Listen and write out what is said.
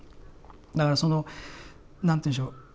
だからそのなんて言うんでしょう